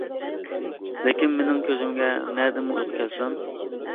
لېكىن مېنىڭ كۆزۈمگە نەدىمۇ ئۇيقۇ كەلسۇن!